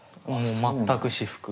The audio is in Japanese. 全く私服。